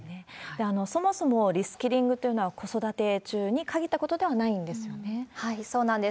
そもそもリスキリングというのは子育て中に限ったことではなそうなんです。